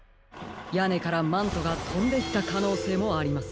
やねからマントがとんでいったかのうせいもあります。